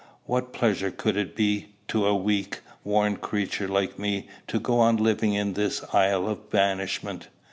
What pleasure could it be to a weak, worn creature like me to go on living in this isle of banishment?"